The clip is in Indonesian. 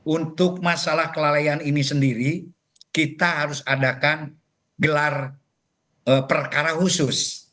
untuk masalah kelalaian ini sendiri kita harus adakan gelar perkara khusus